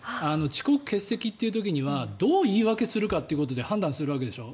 遅刻・欠席っていう時にはどう言い訳するかってことで判断するわけでしょ。